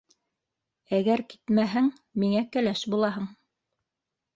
Әгәр китмәһәң, миңә кәләш булаһың!